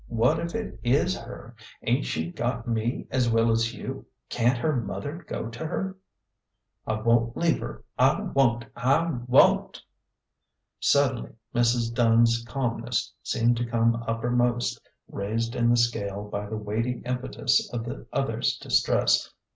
What if it is her? Ain't she got me as well as you ? Can't her mother go to her ?"" I won't leave her. I won't ! I won't !" Suddenly Mrs. Dunn's calmness seemed to come upper most, raised in the scale by the weighty impetus of the other's distress.